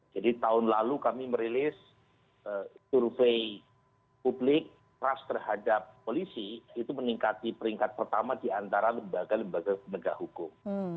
jadi tahun lalu kami merilis survei publik ras terhadap polisi itu meningkat di peringkat pertama di antara lembaga lembaga lembaga hukum